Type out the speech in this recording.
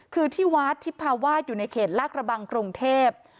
คือที่วัดทิพพาวาสอยู่ในเขตลาดกระบังกรุงเทพ